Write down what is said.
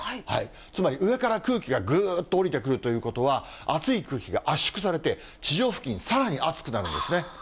つまり、上から空気がぐーっと下りてくるということは、暑い空気が圧縮されて、地上付近がさらに暑くなるんですね。